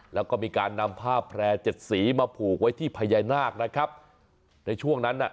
แล้วก็มีการนำผ้าแพร่เจ็ดสีมาผูกไว้ที่พญานาคนะครับในช่วงนั้นน่ะ